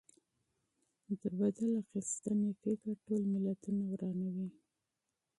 د غچ اخیستنې فکر ټول ملتونه ورانوي.